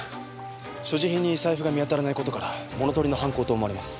所持品に財布が見当たらない事から物取りの犯行かと思われます。